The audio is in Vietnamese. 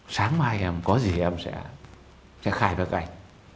sáng mai em có gì em sẽ khai ra cạnh